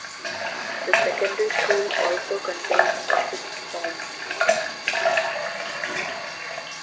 The secondary school also contains a sixth form.